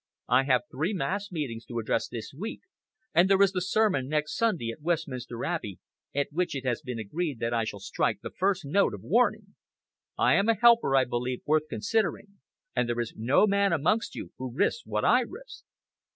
I have three mass meetings to address this week, and there is the sermon next Sunday at Westminster Abbey, at which it has been agreed that I shall strike the first note of warning. I am a helper, I believe, worth considering, and there is no man amongst you who risks what I risk."